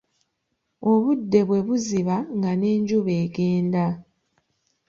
Obudde bwe buziba nga ne njuba egenda.